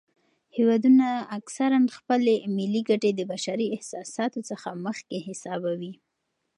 هیوادونه اکثراً خپلې ملي ګټې د بشري احساساتو څخه مخکې حسابوي.